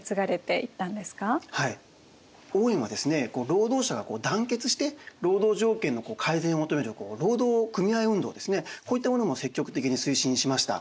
労働者が団結して労働条件の改善を求める労働組合運動ですねこういったものも積極的に推進しました。